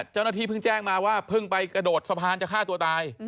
เจ้าหน้าที่เพิ่งแจ้งมาว่าเพิ่งไปกระโดดสะพานจะฆ่าตัวตาย